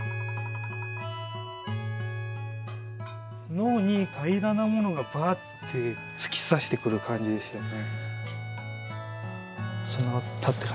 脳に平らなものがばって突き刺してくる感じですよね。